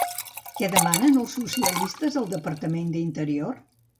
Què demanen els socialistes al Departament d'Interior?